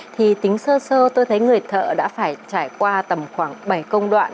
thì tính sơ sơ tôi thấy người thợ đã phải trải qua tầm khoảng bảy công đoạn